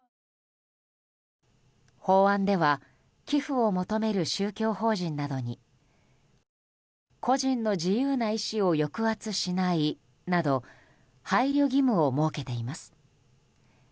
法案では寄付を求める宗教法人などに個人の自由な意思を抑圧しないなど配慮義務を設けています。